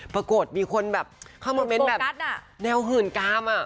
ปรากฏมีคนแบบเข้ามาเมนต์แบบแนวหื่นกาม